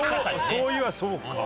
そういやそうか。